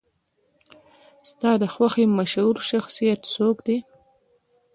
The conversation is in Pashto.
ستا د خوښې مشهور شخصیت څوک دی؟